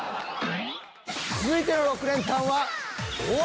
続いての６連単は何？